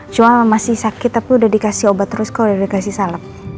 cuma masih sakit tapi udah dikasih obat terus kalau udah dikasih salep